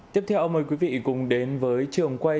tiếp theo mời quý vị cùng đến với trường quay